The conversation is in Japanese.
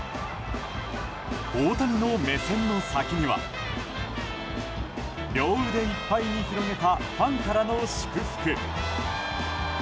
大谷の目線の先には両腕いっぱいに広げたファンからの祝福。